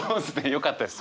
よかったです